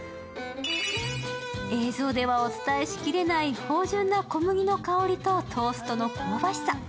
映像ではお伝え仕切れない、芳じゅんな小麦の香りとトーストの香ばしさ。